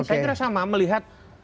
saya kira sama melihat